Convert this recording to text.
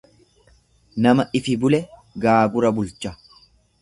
Nama ifi bule gaagura bulcha.